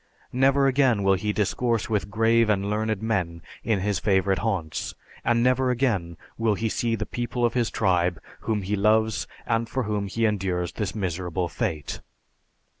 Never again will he discourse with grave and learned men in his favorite haunts, and never again will he see the people of his tribe whom he loves and for whom he endures this miserable fate.